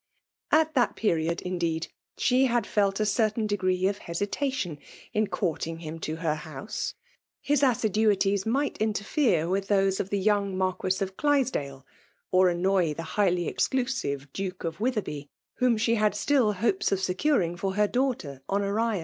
At tiiat period, in deed, she had felt a certain degree of hesita tion in courting him to her house — his assi duties might interfere with those of the young Marfiiis of Clydesdale, or annoy the highly vxdorive Duke of Witherby, whom Ae had 2TH FEMALE DOMINATION. slill hopes of securing for her daughter Ho* noria.